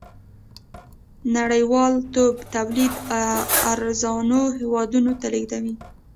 نړۍوالتوب تولید ارزانو هېوادونو ته لېږدوي.